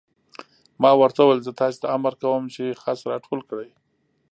ما ورته وویل: زه تاسې ته امر کوم چې خس را ټول کړئ.